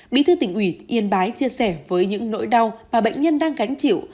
bí thư tỉnh ủy yên bái chia sẻ với những nỗi đau mà bệnh nhân đang gánh chịu